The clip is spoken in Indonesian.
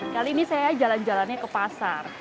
kali ini saya jalan jalannya ke pasar